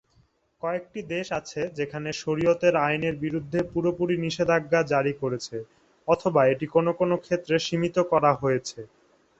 কয়েকটি দেশ আছে যেখানে শরিয়তের আইনের বিরুদ্ধে পুরোপুরি নিষেধাজ্ঞা জারি করেছে, অথবা এটি কোনও কোনও ক্ষেত্রে সীমিত করা হয়েছে।